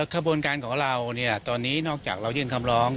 ขบวนการของเราตอนนี้นอกจากเรายื่นคำร้อง